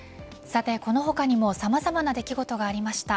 さて、この他にもさまざまな出来事がありました。